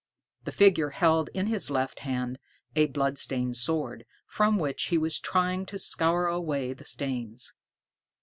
The figure held in his left hand a blood stained sword, from which he was trying to scour away the stains.